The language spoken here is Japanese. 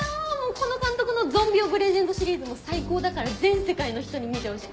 この監督の『ゾンビオブレジェンド』シリーズも最高だから全世界の人に見てほしい。